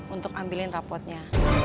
untuk ambilin rapotnya